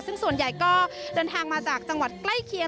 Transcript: ซึ่งส่วนใหญ่ก็เดินทางมาจากจังหวัดใกล้เคียง